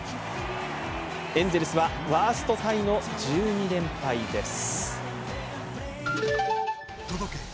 エンゼルスはワーストタイの１２連敗です。